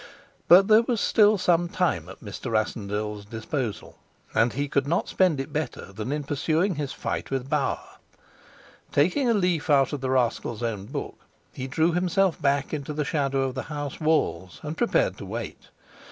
But there was still some time at Mr. Rassendyll's disposal, and he could not spend it better than in pursuing his fight with Bauer. Taking a leaf out of the rascal's own book, he drew himself back into the shadow of the house walls and prepared to wait.